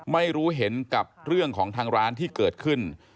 ไม่รู้เห็นกับเรื่องของทางร้านที่เกิดขึ้น